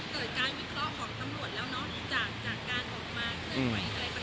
ที่นี้ถ้าสมมุติว่าเกิดการวิเคราะห์ของตำรวจแล้วเนาะ